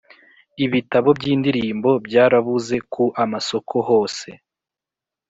Ibitabo by’indirimbo byarabuze ku amasoko hose